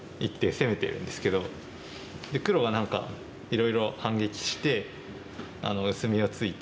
黒は何かいろいろ反撃して薄みをついて。